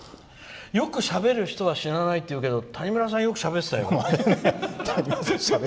よくしゃべる人は死なないっていうけど谷村さん、よくしゃべってたよ。